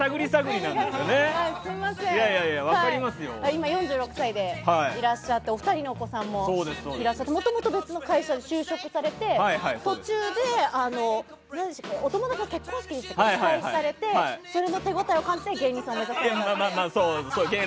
今４６歳でいらっしゃってお二人のお子さんもいてもともと別の会社に就職されてて途中でお友達の結婚式で依頼されてそれの手応えを感じて芸人さんになられたと。